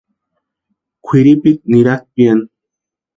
Kwʼiripita niratʼi piani.